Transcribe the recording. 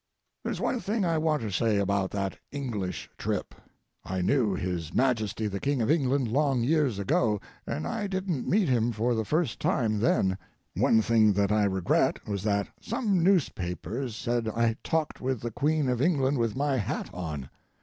There's one thing I want to say about that English trip. I knew his Majesty the King of England long years ago, and I didn't meet him for the first time then. One thing that I regret was that some newspapers said I talked with the Queen of England with my hat on.